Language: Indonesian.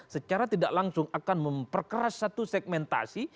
secara tidak langsung akan memperkeras satu segmentasi